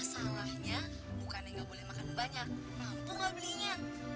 sampai jumpa di video selanjutnya